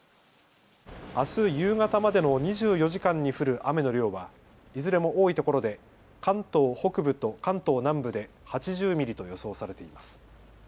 あす夕方までの２４時間に降る雨の量はいずれも多いところで関東北部と関東南部で８０ミリと予想されています。